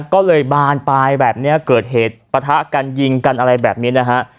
ก็เลยบานปลายแบบนี้เกิดเหตุปะทะกันยิงกันอะไรแบบนี้นะฮะ